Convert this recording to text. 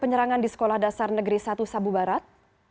penyerangan di sekolah dasar negeri satu sabu barat